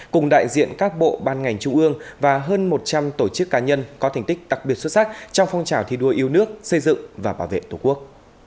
cùng đại diện các bộ ban ngành trung ương và hơn một trăm linh tổ chức cá nhân có thành tích đặc biệt xuất sắc trong phong trào thi đua yêu nước xây dựng và bảo vệ tổ quốc